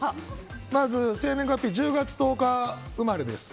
まず、生年月日１０月１０日生まれです。